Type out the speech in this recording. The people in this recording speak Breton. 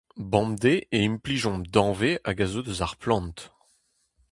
Bemdez e implijomp danvez hag a zeu eus ar plant.